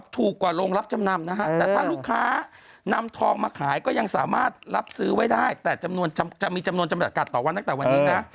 ถ้าขายก็ยังสามารถรับซื้อได้แต่จะมีจำนวนจำกัดต่อวันตะวันนี้นะ